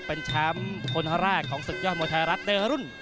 เป็นแชมป์คนแรกของศึกยอดมวยไทยรัฐเดอร์รุ่น